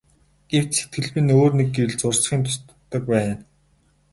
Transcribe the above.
Гэвч сэтгэлд минь өөр нэг гэрэл зурсхийн тусдаг байна.